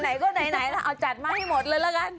ไหนก็ไหนล่ะเอาจัดมาให้หมดเลยละกัน